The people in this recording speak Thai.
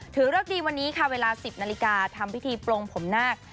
เริกดีวันนี้ค่ะเวลา๑๐นาฬิกาทำพิธีปลงผมนาค